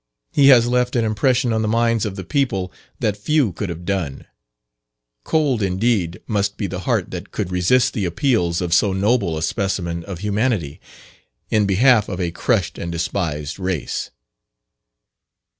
He has left an impression on the minds of the people, that few could have done. Cold, indeed, must be the heart that could resist the appeals of so noble a specimen of humanity, in behalf of a crushed and despised race."